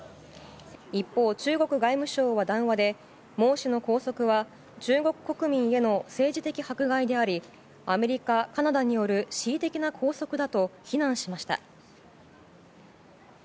一方、中国外務省は談話でモウ氏の拘束は中国国民への政治的迫害でありアメリカ、カナダによる恣意的な拘束だと非難しました。